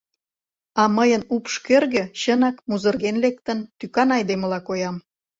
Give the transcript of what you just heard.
А мыйын упш кӧргӧ, чынак, музырген лектын, тӱкан айдемыла коям.